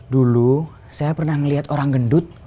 dulu saya pernah melihat orang gendut